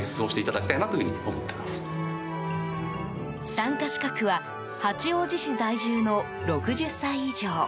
参加資格は八王子市在住の６０歳以上。